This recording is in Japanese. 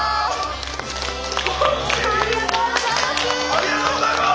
ありがとうございます！